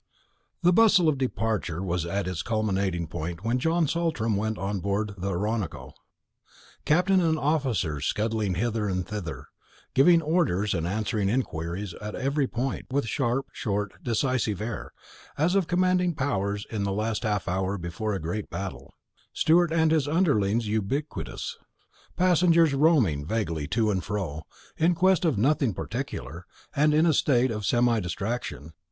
The bustle of departure was at its culminating point when John Saltram went on board the Oronoco, captain and officers scudding hither and thither, giving orders and answering inquiries at every point, with a sharp, short, decisive air, as of commanding powers in the last half hour before a great battle; steward and his underlings ubiquitous; passengers roaming vaguely to and fro, in quest of nothing particular, and in a state of semi distraction.